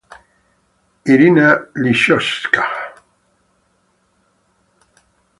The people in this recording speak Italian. Iryna Liščyns'ka